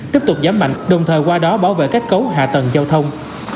tiếp tục giảm mạnh đồng thời qua đó bảo vệ kết cấu hạ tầng giao thông